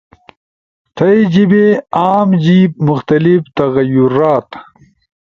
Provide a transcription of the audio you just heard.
تھأئی جیِبے، عام جیِب/ مختلف تغیرات